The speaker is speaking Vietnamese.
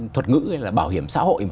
thuật ngữ là bảo hiểm xã hội